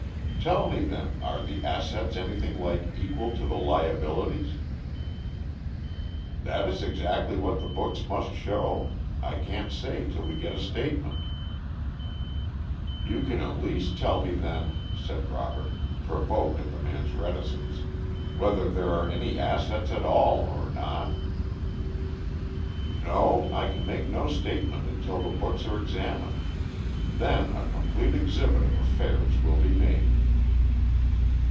"Tell me, then, are the assets anything like equal to the liabilities?" "That is exactly what the books must show. I can't say till we get a statement." "You can at least tell me then," said Robert, provoked at the man's reticence, "whether there are any assets at all, or not." "No, I can make no statement until the books are examined. Then a complete exhibit of affairs will be made."